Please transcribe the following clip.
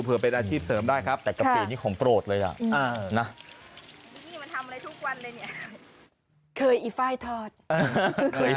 เพื่อเป็นอาชีพเสริมได้ครับแต่กะปินี่ของโปรดเลยอ่ะนะ